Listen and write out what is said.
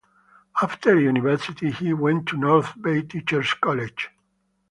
After university, he went to North Bay Teacher's College.